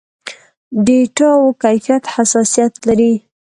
ډېټاوو کيفيت حساسيت لري.